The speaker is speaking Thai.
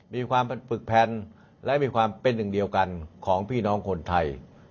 มีความปรึกแผ่นและมีความเป็นหนึ่งเดียวกันของพี่น้องคนไทย